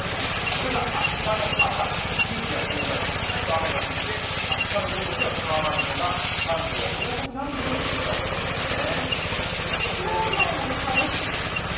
これが明日の朝近畿や東海、しっかりと雨が降って、明日の午後にはその雨雲が関東や東北南部にも広がりそうですね。